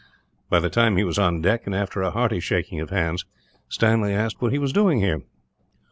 By this time he was on deck, and after a hearty shaking of hands, Stanley asked what he was doing here.